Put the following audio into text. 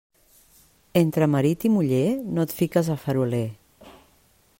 Entre marit i muller, no et fiques a faroler.